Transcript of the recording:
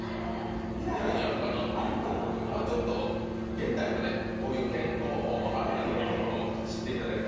未来にあるかなというところで、現代のこういう健康法もあるというところ、知っていただきたい。